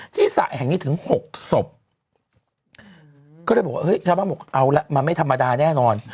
สระแห่งนี้ถึง๖ศพก็เลยบอกว่าเฮ้ยชาวบ้านบอกเอาละมันไม่ธรรมดาแน่นอน